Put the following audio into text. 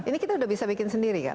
ini kita sudah bisa bikin sendiri kan